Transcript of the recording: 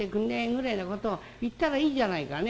ぐれえのことを言ったらいいじゃないかね。